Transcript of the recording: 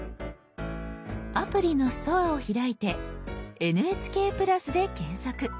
アプリの「ストア」を開いて「ＮＨＫプラス」で検索。